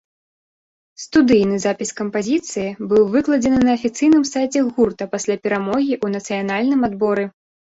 Студыйны запіс кампазіцыі быў выкладзены на афіцыйным сайце гурта пасля перамогі ў нацыянальным адборы.